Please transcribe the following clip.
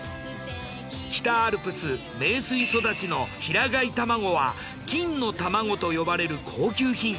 北アルプス名水育ちの平飼い卵は金の卵と呼ばれる高級品。